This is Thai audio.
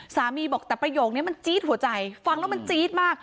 บอกแต่ประโยคนี้มันจี๊ดหัวใจฟังแล้วมันจี๊ดมาก